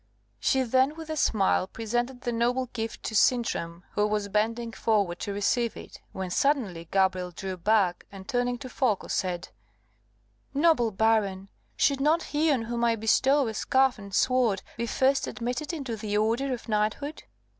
She then, with a smile, presented the noble gift to Sintram, who was bending forward to receive it, when suddenly Gabrielle drew back, and turning to Folko, said, "Noble baron, should not he on whom I bestow a scarf and sword be first admitted into the order of knighthood?"